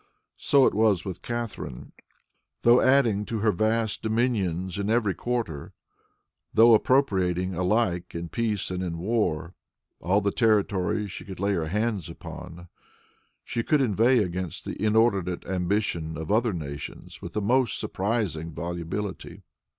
So it was with Catharine. Though adding to her vast dominions in every quarter; though appropriating, alike in peace and in war, all the territory she could lay her hands upon, she could inveigh against the inordinate ambition of other nations with the most surprising volubility.